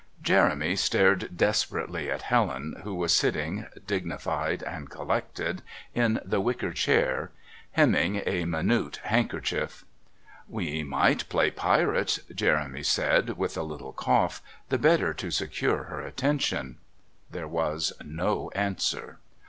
Jeremy stared desperately at Helen who was sitting, dignified and collected, in the wicker chair hemming a minute handkerchief. "We might play Pirates," Jeremy said with a little cough, the better to secure her attention. There was no answer.